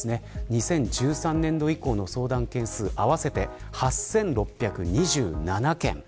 ２０１３年度以降の相談件数合わせて８６２７件。